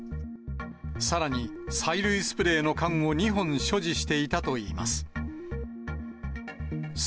さらに、催涙スプレーの缶を２本所持していたといいます。